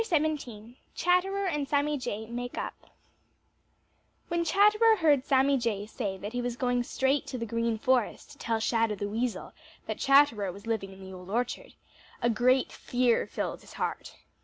*XVII* *CHATTERER AND SAMMY JAY MAKE UP* When Chatterer heard Sammy Jay say that he was going straight to the Green Forest to tell Shadow the Weasel that Chatterer was living in the Old Orchard, a great fear filled his heart.